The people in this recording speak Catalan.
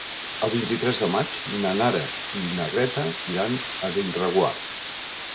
El vint-i-tres de maig na Nara i na Greta iran a Bellreguard.